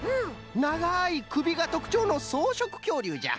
ながいくびがとくちょうのそうしょくきょうりゅうじゃ。